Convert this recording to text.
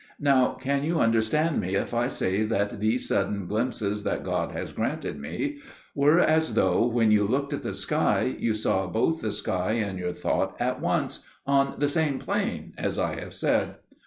Now can you understand me if I say that these sudden glimpses that God has granted me, were as though when you looked at the sky, you saw both the sky and your thought at once, on the same plane, as I have said?